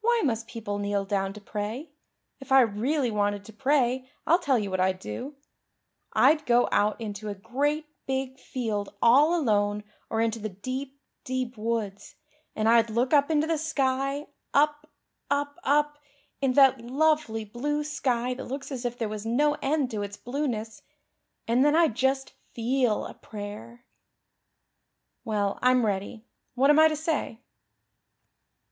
"Why must people kneel down to pray? If I really wanted to pray I'll tell you what I'd do. I'd go out into a great big field all alone or into the deep, deep, woods, and I'd look up into the sky up up up into that lovely blue sky that looks as if there was no end to its blueness. And then I'd just feel a prayer. Well, I'm ready. What am I to say?"